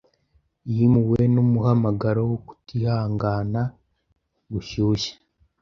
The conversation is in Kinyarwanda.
Yimuwe numuhamagaro wo kutihangana gushyushye